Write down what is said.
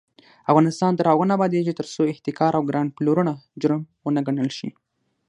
افغانستان تر هغو نه ابادیږي، ترڅو احتکار او ګران پلورنه جرم ونه ګڼل شي.